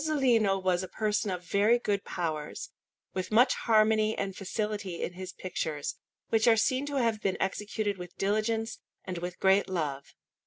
Fresco_)] Masolino was a person of very good powers, with much harmony and facility in his pictures, which are seen to have been executed with diligence and with great love.